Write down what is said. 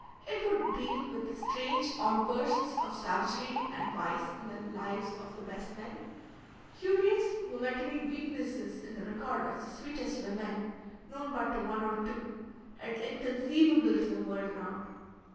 It would deal with strange outbursts of savagery and vice in the lives of the best men, curious momentary weaknesses in the record of the sweetest women, known but to one or two, and inconceivable to the world around.